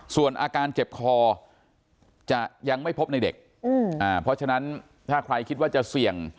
ส่วนอาการเจ็บคอจะยังไม่พบในเด็กเพราะฉะนั้นถ้าใครคิดว่าจะเสี่ยง